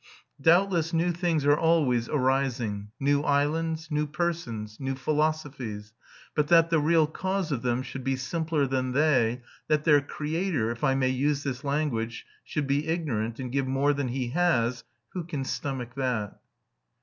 Doubtless new things are always arising, new islands, new persons, new philosophies; but that the real cause of them should be simpler than they, that their Creator, if I may use this language, should be ignorant and give more than he has, who can stomach that?